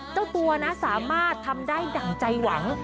เจ้าตัวนะสามารถทำได้ดั่งใจหวัง